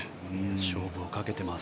勝負をかけています。